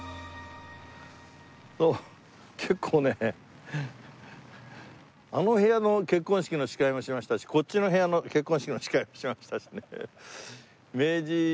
結構ねあの部屋の結婚式の司会もしましたしこっちの部屋の結婚式の司会もしましたしね。